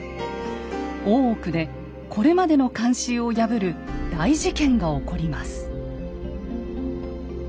大奥でこれまでの慣習を破る大事件が起こります。